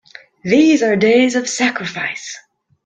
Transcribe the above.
These are days of sacrifice!